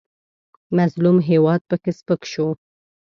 مظلوم هېواد پکې سپک شو.